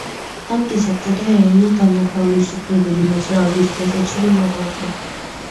ანტი-საბჭოთა ეროვნულ-განმათავისუფლებელი მოძრაობის თვალსაჩინო მოღვაწე.